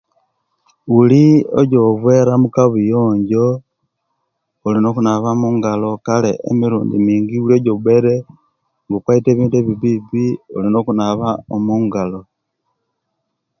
Buli ejovera omukabuyonjo olina okunaba omungalo kale emirundi yingi buli jobere nga okwaite ebintu ebibibi olina okunaba onungalo